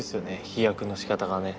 飛躍のしかたがね。